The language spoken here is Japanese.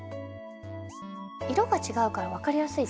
色が違うから分かりやすいですね。